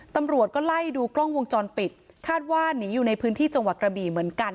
ตำรวจก็ไล่ดูกล้องวงจรปิดคาดว่าหนีอยู่ในพื้นที่จังหวัดกระบี่เหมือนกัน